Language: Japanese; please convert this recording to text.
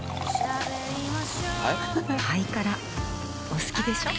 お好きでしょ。